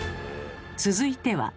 続いては。